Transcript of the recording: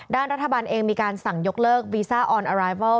รัฐบาลเองมีการสั่งยกเลิกวีซ่าออนอารายเวิล